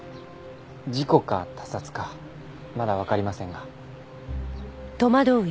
事故か他殺かまだわかりませんが。